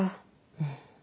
うん。